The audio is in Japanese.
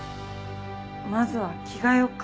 まずは着替えようか。